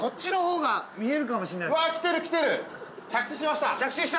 ◆はい、着地しました！